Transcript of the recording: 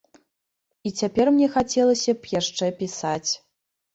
І цяпер мне хацелася б яшчэ пісаць.